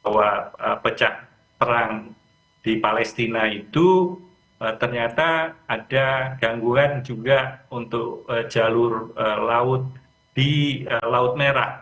bahwa pecah perang di palestina itu ternyata ada gangguan juga untuk jalur laut di laut merah